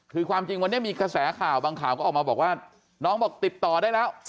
คือความจริงวันนี้มีกระแสข่าวบางข่าวก็ออกมาบอกว่าน้องบอกติดต่อได้แล้ว